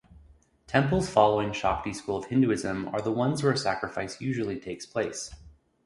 Temples following Shakti school of Hinduism are the ones where sacrifice usually takes place.